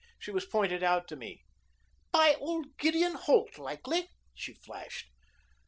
She was pointed out to me." "By old Gideon Holt, likely," she flashed.